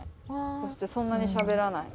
そしてそんなにしゃべらない。